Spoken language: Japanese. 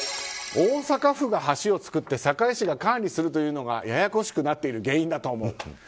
大阪府が橋を造って堺市が管理するというのがややこしくなっている原因だと思う。